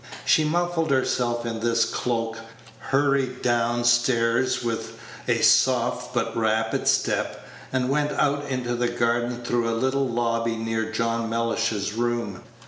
She muffled herself in this cloak, hurried down stairs with a soft but rapid step, and went out into the garden through a little lobby near John Mellish's room.